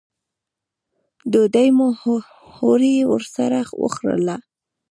ډوډۍ مو هورې ورسره وخوړله.